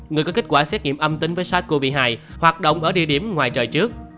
người có kết quả xét nghiệm âm tính với sars cov hai hoạt động ở địa điểm ngoài trời trước